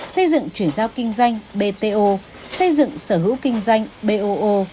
xây dựng chuyển giao kinh doanh bto xây dựng sở hữu kinh doanh boo